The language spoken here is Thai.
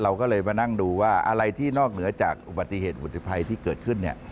เราก็เลยมานั่งดูว่าอะไรที่นอกเหนือจากอุบัติเหตุอุทธภัยที่เกิดขึ้นเนี่ย